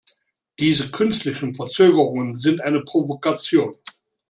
Diese künstlichen Verzögerungen sind eine Provokation.